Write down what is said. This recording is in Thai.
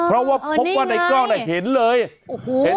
อ้าวนี่ไงพบว่าในกล้องน่ะเห็นเลยโอ้โห